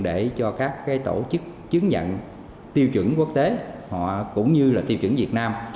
để cho các tổ chức chứng nhận tiêu chuẩn quốc tế cũng như tiêu chuẩn việt nam